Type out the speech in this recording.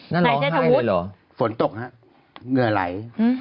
นั่นร้องไห้เลยเหรอฝนตกฮะเหงื่อไหล